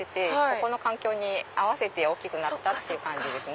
ここの環境に合わせて大きくなったっていう感じです。